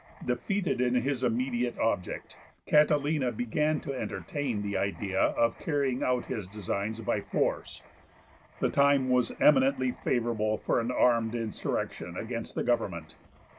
Defeated in his immediate object, Catilina began to entertain the idea of carrying out his designs by force. The time was eminently favourable for an armed insurrection against the government.